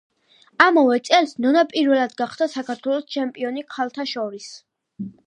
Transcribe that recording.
ამავე წელს ნონა პირველად გახდა საქართველოს ჩემპიონი ქალთა შორის.